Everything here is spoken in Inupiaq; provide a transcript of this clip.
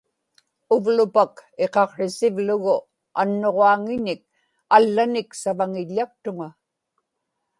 uvlupak iqaqsrisivlugu annuġaaŋiñik allanik savaŋiḷḷaktuq